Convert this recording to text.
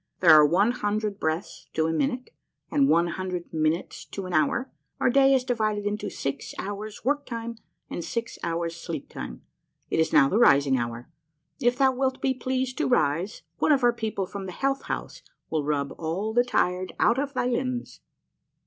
There are one hundred breaths to a minute and one hundred minutes to an hour. Our day is divided into six hours' worktime and six hours' sleeptime. It is now the rising hour. If thou wilt be pleased to rise, one of our people from the Health House will rub all the tired out of thy limbs.